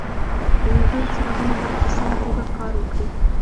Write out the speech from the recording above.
د موټر څراغونه باید په سمه توګه کار وکړي.